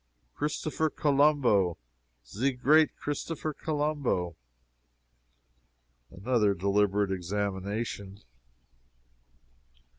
"Christopher Colombo! ze great Christopher Colombo!" Another deliberate examination.